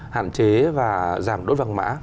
hạn chế và giảm đốt vàng mã